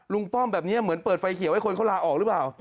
ป้อมแบบนี้เหมือนเปิดไฟเขียวให้คนเขาลาออกหรือเปล่า